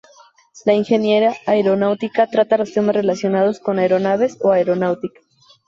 La ingeniería aeronáutica trata los temas relacionados con aeronaves o aeronáutica.